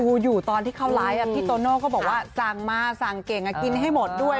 ดูอยู่ตอนที่เขาไลฟ์พี่โตโน่ก็บอกว่าสั่งมาสั่งเก่งกินให้หมดด้วย